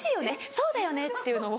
「そうだよね」っていうのを。